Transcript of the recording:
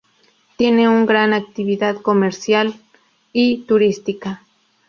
Tiene un gran actividad comercial y turística.